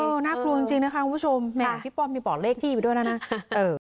น่ากลัวจริงนะคะคุณผู้ชมแม่พี่ป้อมมีบอกเลขที่ไปด้วยแล้วนะเออ